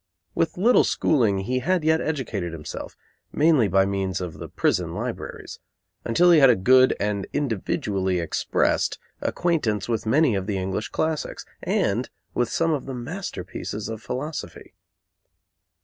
With little schooling he had yet educated himself, mainly by means of the prison libraries, until he had a good and individually expressed acquaintance with many of the English classics, and with some of the masterpieces of philosophy.